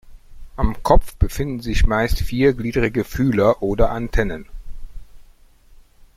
Am Kopf befinden sich meist viergliedrige Fühler oder Antennen.